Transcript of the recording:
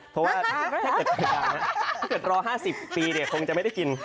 ถ้าเกิดรอ๕๐ปีคงจะไม่ได้กิน